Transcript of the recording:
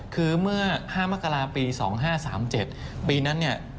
คือเมื่อ๕มกราปี๒๕๓๗ปีนั้นเนี่ย